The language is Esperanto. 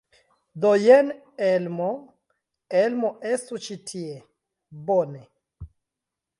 Do, jen Elmo. Elmo, estu ĉi tie! Bone.